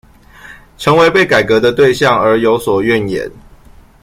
成為被改革的對象而有所怨言